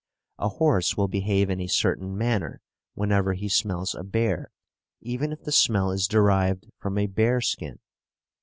A horse will behave in a certain manner whenever he smells a bear, even if the smell is derived from a bearskin.